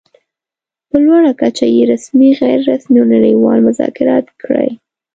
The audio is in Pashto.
په لوړه کچه يې رسمي، غیر رسمي او نړۍوال مذاکرات کړي.